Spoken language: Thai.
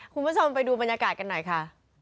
คุณผู้ชมไปดูบรรยากาศกันหน่อยค่ะ